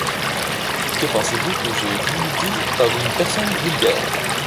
Que pensez-vous que j’aie voulu dire par une personne vulgaire ?